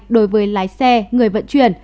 đối với lái xe người vận chuyển